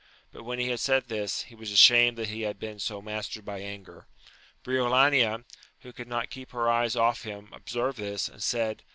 but when he had said this, he was ashamed that he had been so mastered by anger. Briolania, who could not keep her eyes off him observed this, and said.